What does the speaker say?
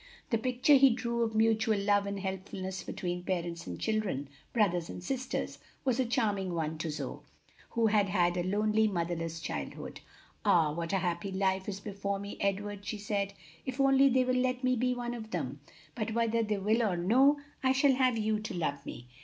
The picture he drew of mutual love and helpfulness between parents and children, brothers and sisters, was a charming one to Zoe, who had had a lonely, motherless childhood. "Ah, what a happy life is before me, Edward!" she said, "if only they will let me be one of them! But whether they will or no, I shall have you to love me!